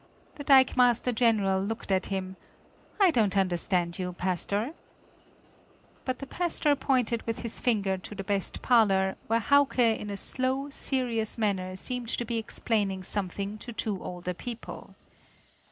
The dikemaster general looked at him: "I don't understand you, pastor!" But the pastor pointed with his finger to the best parlor, where Hauke in a slow serious manner seemed to be explaining something to two older people.